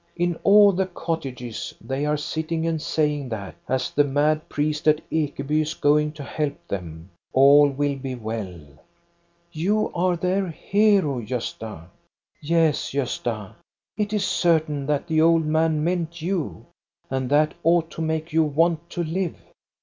In all the cottages they are sitting and saying that, as the mad priest at Ekeby is going to help them, all will be well. You are their hero, Gosta. " Yes, Gosta, it is certain that the old man meant you, and that ought to make you want to live.